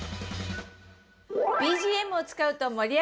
ＢＧＭを使うと盛り上がるよ！